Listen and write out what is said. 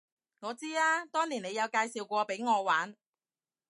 我知啊，當年你有介紹過畀我玩